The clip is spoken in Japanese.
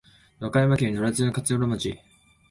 和歌山県那智勝浦町